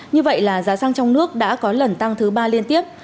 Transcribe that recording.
như vậy là giá xăng trong nước đã có lần tăng thứ ba liên tiếp